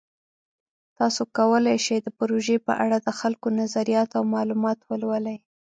تاسو کولی شئ د پروژې په اړه د خلکو نظریات او معلومات ولولئ.